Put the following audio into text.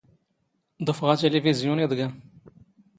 ⴹⵓⴼⵖ ⴰⵜⵉⵍⵉⴼⵉⵣⵢⵓⵏ ⵉⴹⴳⴰⵏ.